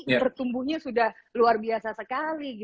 pertumbuhannya sudah luar biasa sekali